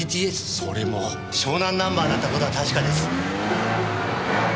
それも湘南ナンバーだったことは確かです。